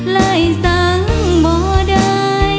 เลยสั่งบ่ได้